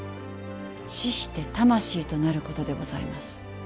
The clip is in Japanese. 死して魂となることでございます。